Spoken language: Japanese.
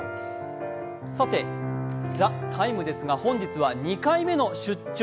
さて、「ＴＨＥＴＩＭＥ，」ですが本日は２回目の「出張！